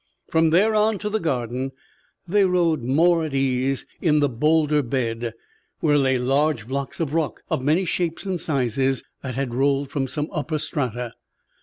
From there on to the Garden they rode more at ease in the "Boulder Bed," where lay large blocks of rock of many shapes and sizes that had rolled from some upper strata.